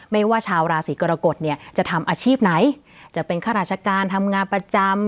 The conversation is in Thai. ไม่ว่าชาวราศีกรกฎเนี่ยจะทำอาชีพไหนจะเป็นข้าราชการทำงานประจำ